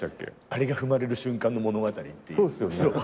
『アリが踏まれる瞬間の物語』っていう。